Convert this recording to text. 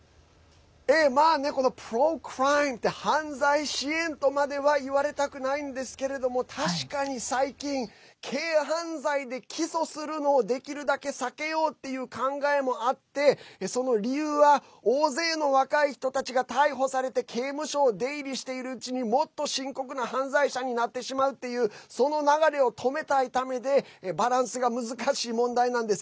ｐｒｏ‐ｃｒｉｍｅって犯罪支援とまでは言われたくないんですけれども確かに最近軽犯罪で起訴するのをできるだけ避けようっていう考えもあってその理由は大勢の若い人たちが逮捕されて刑務所を出入りしているうちにもっと深刻な犯罪者になってしまうっていう流れを止めたいためでバランスが難しい問題なんです。